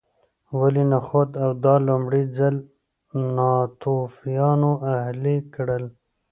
ولې نخود او دال لومړي ځل ناتوفیانو اهلي کړل